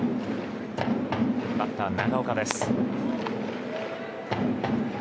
バッター、長岡です。